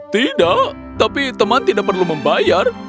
tidak tapi teman tidak perlu membayar